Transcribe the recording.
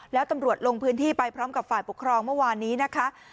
แล้วตำรวจลงพื้นที่ไปพร้อมกับฝ่ายปกครองเมื่อวานนี้นะคะ